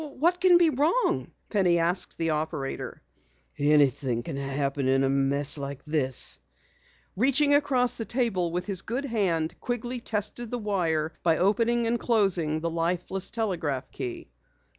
"What can be wrong?" Penny asked the operator. "Anything can happen in a mess like this." Reaching across the table with his good hand, Quigley tested the wire by opening and closing the lifeless telegraph key.